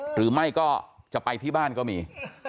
หรือไม่ก็จะไปที่บ้านก็มี